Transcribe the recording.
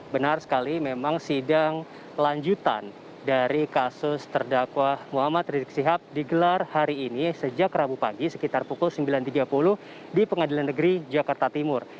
benar sekali memang sidang lanjutan dari kasus terdakwa muhammad rizik sihab digelar hari ini sejak rabu pagi sekitar pukul sembilan tiga puluh di pengadilan negeri jakarta timur